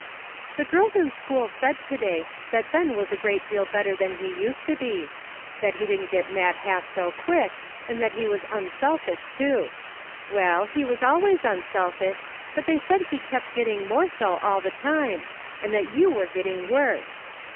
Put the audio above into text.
" The girls in school said to day that Ben was a great deal better than he used to be ; that he didn't get mad half so quick, and that he was unselfish too. Well, he was always unselfish, but they said he kept getting more so all the time, and that you were getting worse.